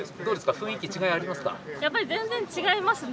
雰囲気、違いありますか。